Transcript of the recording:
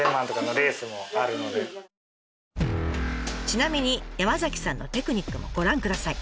ちなみに山さんのテクニックもご覧ください。